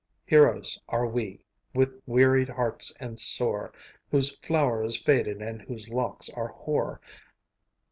Heroes are we, with wearied hearts and sore, Whose flower is faded and whose locks are hoar.